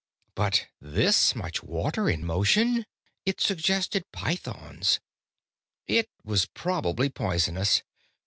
But this much water in motion? It suggested pythons; it was probably poisonous.